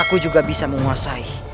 aku juga bisa menguasai